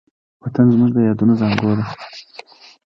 وطن زموږ د یادونو زانګو ده.